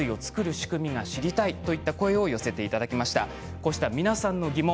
こうした皆さんの疑問